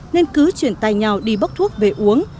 nên cứ chuyển tay nhau đi bốc thuốc về uống